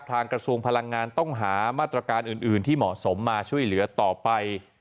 กระทรวงพลังงานต้องหามาตรการอื่นที่เหมาะสมมาช่วยเหลือต่อไป